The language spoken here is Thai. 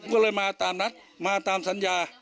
ก็เลยมาตามนัดมาตามสัญญา